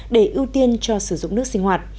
để ưu tiên cho sử dụng nước sinh hoạt